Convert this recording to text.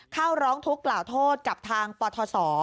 เข้าร้องทุกข์กล่าวโทษกับทางปทศ